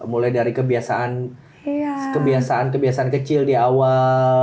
mulai dari kebiasaan kebiasaan kecil di awal